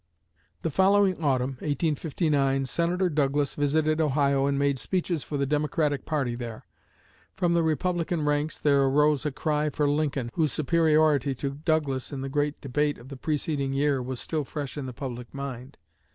The following autumn (1859) Senator Douglas visited Ohio and made speeches for the Democratic party there. From the Republican ranks there arose a cry for Lincoln, whose superiority to Douglas in the great debate of the preceding year was still fresh in the public mind.